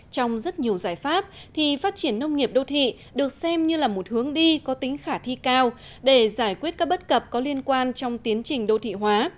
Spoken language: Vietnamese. trong rất nhiều giải pháp thì phát triển nông nghiệp đô thị được xem như là một hướng đi có tính khả thi cao để giải quyết các bất cập có liên quan trong tiến trình đô thị hóa